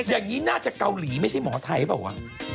อย่างนี้น่าจะเกาหลีไม่ใช่หมอไทยหรือเปล่าวะ